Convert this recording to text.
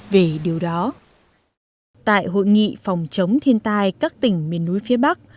về điều đó tại hội nghị phòng chống thiên tai các tỉnh miền núi phía bắc